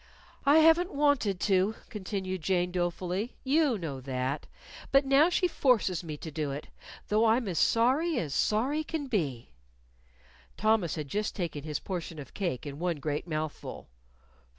"I haven't wanted to," continued Jane, dolefully. "You know that. But now she forces me to do it. Though I'm as sorry as sorry can be." Thomas had just taken his portion of cake in one great mouthful.